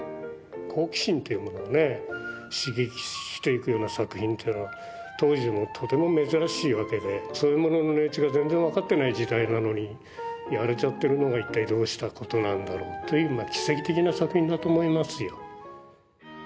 好奇心というものをね刺激していくような作品っていうのは当時もとても珍しいわけでそういうものの値打ちが全然分かってない時代なのにやれちゃってるのが一体どうしたことなんだろうという奇跡的な作品だと思いますよ。